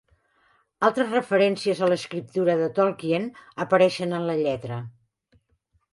Altres referències a l'escriptura de Tolkien apareixen en la lletra.